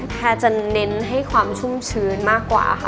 แพทย์จะเน้นให้ความชุ่มชื้นมากกว่าค่ะ